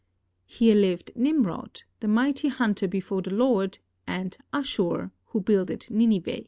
Here lived Nimrod, " the might}^ hunter before the Lord," and Ashur, " who builded Nineveh."